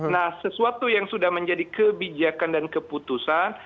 nah sesuatu yang sudah menjadi kebijakan dan keputusan